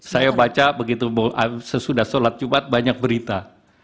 saya baca sesudah sholat jubat banyak berita